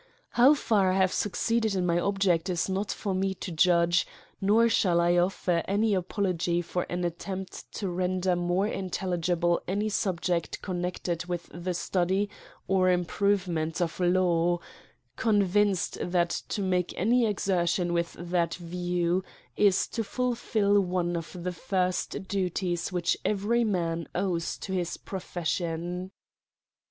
How far I have succeeded in my object, is not for me to judge ; nor shall I of fer any apology for an attempt to render more intelligible any subject connected with the study or improvement of law ; convinced, that to make any exertion with that view, is to fulfil one of the first duties which every man owe^ to his profes» sion.